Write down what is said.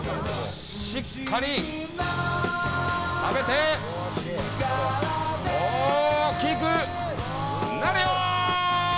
しっかり食べて大きくなれよ！